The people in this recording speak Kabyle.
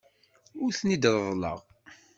Ur ten-id-reḍḍleɣ.